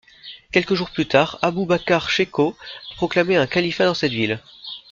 Quelques jours plus tard, Abubakar Shekau proclamait un califat dans cette ville.